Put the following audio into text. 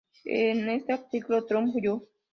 En ese artículo, Trump Jr.